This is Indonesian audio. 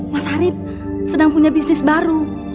mas arief sedang punya bisnis baru